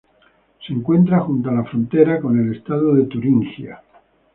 Se encuentra junto a la frontera con el estado de Turingia.